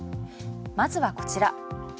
まずはこちら。